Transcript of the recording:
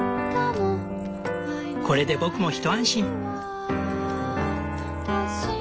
これで僕も一安心。